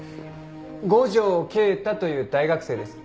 五条慶太という大学生です。